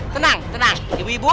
tenang tenang ibu ibu